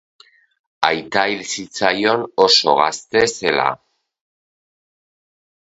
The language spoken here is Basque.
Aita hil zitzaion oso gazte zela.